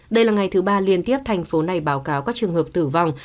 đây là ngày thứ ba liên tiếp thành phố này báo cáo các trường hợp tử vong